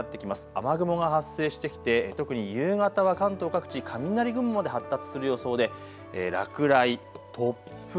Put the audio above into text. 雨雲が発生してきて特に夕方は関東各地、雷雲まで発達する予想で落雷、突風